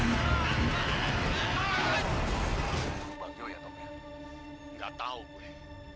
gak tau gue